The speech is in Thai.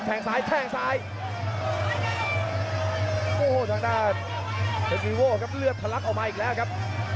เพชรวีโว่ครับเลือดพลักออกมาอีกแล้วครับ